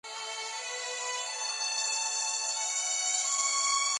De las tres propuestas, fue elegida la primera, aunque fueron modificadas diversas características.